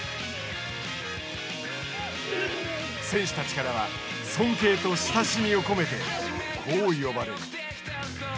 選手たちからは尊敬と親しみを込めてこう呼ばれる。